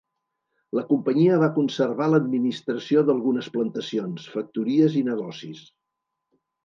La companyia va conservar l'administració d'algunes plantacions, factories i negocis.